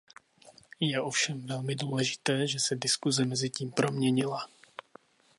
Je ovšem velmi důležité, že se diskuze mezitím proměnila.